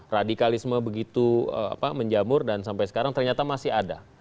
radikalisme begitu menjamur dan sampai sekarang ternyata masih ada